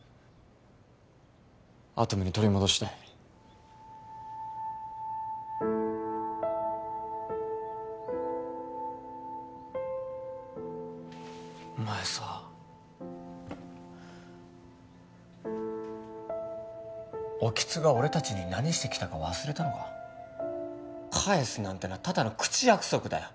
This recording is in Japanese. アトムに取り戻したいお前さ興津が俺たちに何してきたか忘れたのか返すなんてのはただの口約束だよ